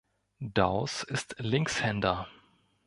Daus ist Linkshänder.